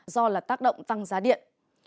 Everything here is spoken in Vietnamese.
do tác động tăng giá điện